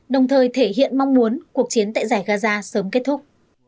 đồng thời thể hiện mong muốn cuộc chiến tại giải gaza sớm kết thúc